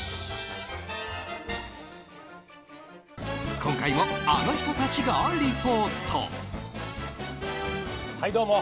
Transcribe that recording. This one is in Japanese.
今回もあの人たちがリポート。